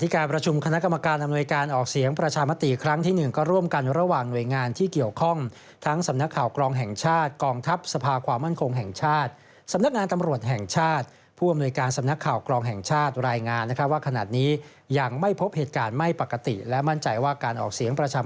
การประชุมคณะกรรมการอำนวยการออกเสียงประชามติครั้งที่หนึ่งก็ร่วมกันระหว่างหน่วยงานที่เกี่ยวข้องทั้งสำนักข่าวกรองแห่งชาติกองทัพสภาความมั่นคงแห่งชาติสำนักงานตำรวจแห่งชาติผู้อำนวยการสำนักข่าวกรองแห่งชาติรายงานนะครับว่าขณะนี้ยังไม่พบเหตุการณ์ไม่ปกติและมั่นใจว่าการออกเสียงประชา